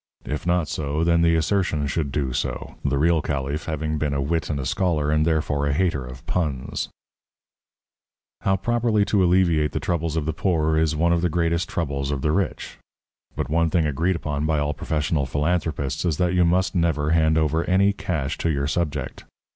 If not so, then the assertion should do so, the real caliph having been a wit and a scholar and therefore a hater of puns. How properly to alleviate the troubles of the poor is one of the greatest troubles of the rich. But one thing agreed upon by all professional philanthropists is that you must never hand over any cash to your subject.